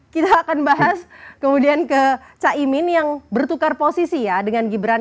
kita akan bahas kemudian ke caimin yang bertukar posisi ya dengan gibran